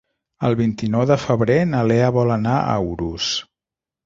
El vint-i-nou de febrer na Lea vol anar a Urús.